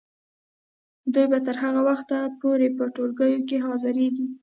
دوی به تر هغه وخته پورې په ټولګیو کې حاضریږي.